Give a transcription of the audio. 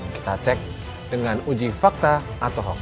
kita cek dengan uji fakta atau hoax